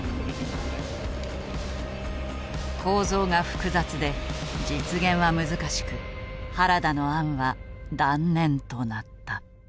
構造が複雑で実現は難しく原田の案は断念となった。